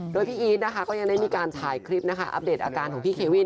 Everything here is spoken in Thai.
โดยพี่อีทนะคะก็ยังได้มีการถ่ายคลิปนะคะอัปเดตอาการของพี่เควิน